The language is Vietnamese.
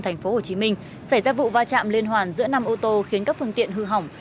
thành phố hồ chí minh xảy ra vụ va chạm liên hoàn giữa năm ô tô khiến các phương tiện hư hỏng